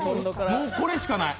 もう、これしかない。